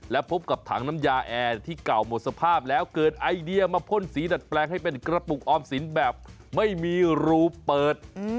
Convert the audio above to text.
และพบกับถังน้ำยาแอร์ที่เก่าหมดสภาพแล้วเกิดไอเดียมาพ่นสีดัดแปลงให้เป็นกระปุกออมสินแบบไม่มีรูเปิด